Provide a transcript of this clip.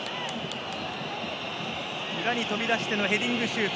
裏に飛び出してのヘディングシュート。